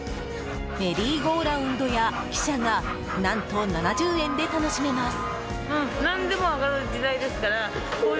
メリーゴーラウンドや汽車が何と７０円で楽しめます。